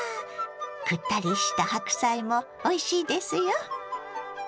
くったりした白菜もおいしいですよ。